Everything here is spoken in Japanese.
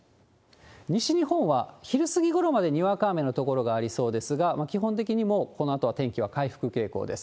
西日本は昼過ぎごろまでにわか雨の所がありそうですが、基本的に、もうこのあとは天気は回復傾向です。